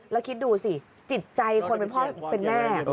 แล้วคิดดูสิจิตใจคนเป็นพ่อเป็นแม่